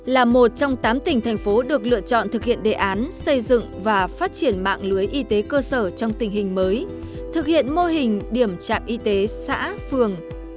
là một trong tám tỉnh thành phố được lựa chọn thực hiện đề án xây dựng và phát triển mạng lưới y tế cơ sở trong tình hình mới thực hiện mô hình điểm trạm y tế xã phường